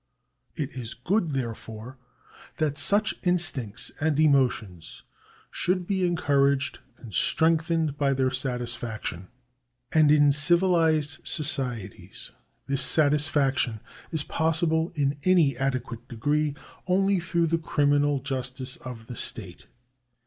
It is good, therefore, that such instincts and emotions should be encouraged and strengthened by their satisfaction ; and in civilised societies this satisfaction is possible in any adequate degree only through the criminal justice of the state.